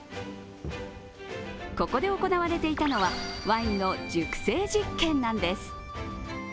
ここで行われていたのはワインの熟成実験なんです。